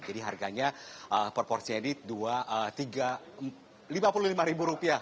jadi harganya porsinya ini rp lima puluh lima